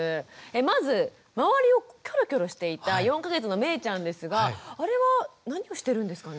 まず周りをキョロキョロしていた４か月のめいちゃんですがあれは何をしてるんですかね？